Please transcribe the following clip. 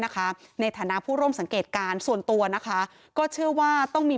ในฐานะผู้ร่วมสังเกตการณ์ส่วนตัวนะคะก็เชื่อว่าต้องมี